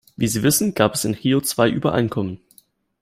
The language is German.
Wie Sie wissen, gab es in Rio zwei Übereinkommen.